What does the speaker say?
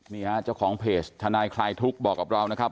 นี่ฮะเจ้าของเพจทนายคลายทุกข์บอกกับเรานะครับ